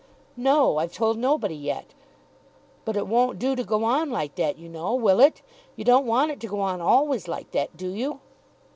"No; I've told nobody yet. But it won't do to go on like that, you know, will it? You don't want it to go on always like that; do you?"